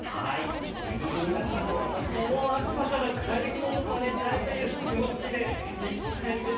ミニＢｏｏｎａちゃんも私も暑さから解放されたいという気持ちでいっぱいです。